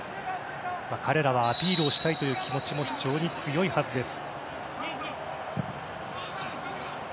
彼らはアピールをしたいという気持ちも非常に強いはずです。